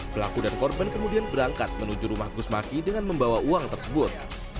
pelaku dan korban kemudian berangkat menuju rumah gus maki dengan membawa uang tersebut